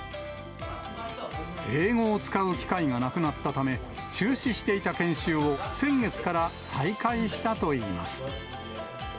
英語を使う機会がなくなったため、中止していた研修を先月から再開したといいます。